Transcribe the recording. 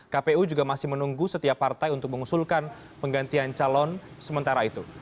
kpu juga masih menunggu setiap partai untuk mengusulkan penggantian calon sementara itu